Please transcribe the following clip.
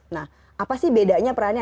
nah apa sih bedanya perannya